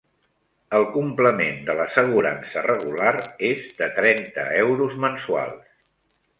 El complement de l'assegurança regular és de trenta euros mensuals.